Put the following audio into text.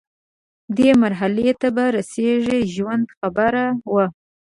دې مرحلې ته به رسیږي ژوند، خبره ومه